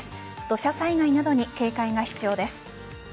土砂災害などに警戒が必要です。